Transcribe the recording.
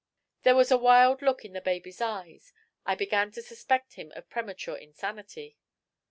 There was a wild look in the baby's eyes. I began to suspect him of premature insanity.